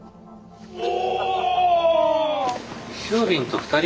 お！